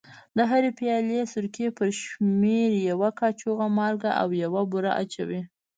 د هرې پیالې سرکې پر شمېر یوه کاشوغه مالګه او یوه بوره اچوي.